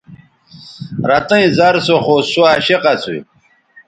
رتئیں زَر سو خو سوعشق اسُو